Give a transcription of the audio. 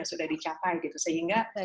yang sudah dicapai sehingga